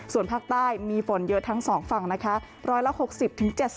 ส่วนภาคใต้มีฝนเยอะทั้ง๒ฝั่งนะคะ